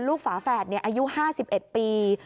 ลูกฝาแฝดเนี่ยอายุ๕๑ปี